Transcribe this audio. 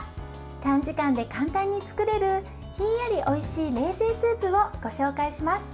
短時間で簡単に作れるひんやりおいしい冷製スープをご紹介します。